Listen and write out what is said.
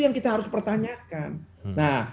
yang kita harus pertanyakan nah